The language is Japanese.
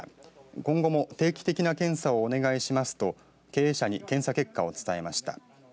今後も定期的な検査をお願いしますと経営者に検査結果を伝えました。